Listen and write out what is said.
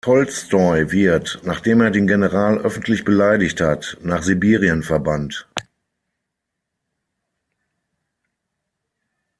Tolstoi wird, nachdem er den General öffentlich beleidigt hat, nach Sibirien verbannt.